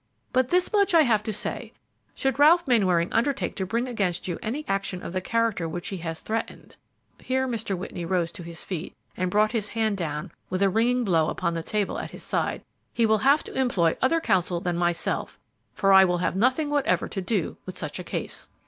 But this much I have to say: Should Ralph Mainwaring undertake to bring against you any action of the character which he has threatened," here Mr. Whitney rose to his feet and brought his hand down with a ringing blow upon the table at his side, "he will have to employ other counsel than myself, for I will have nothing whatever to do with such a case."